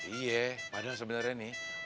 iya padahal sebenarnya nih